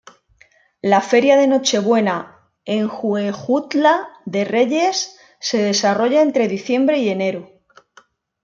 La Feria de Nochebuena en Huejutla de Reyes se desarrolla entre diciembre y enero.